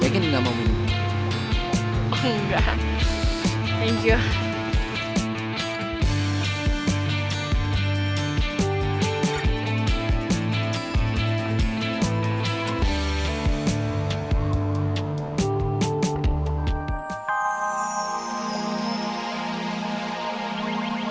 kayaknya gak mau minum